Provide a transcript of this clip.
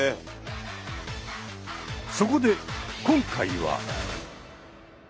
そこで今回は。